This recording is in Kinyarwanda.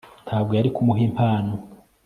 ntabwo yari kumuha impano